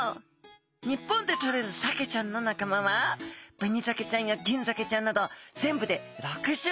日本でとれるサケちゃんの仲間はベニザケちゃんやギンザケちゃんなど全部で６種。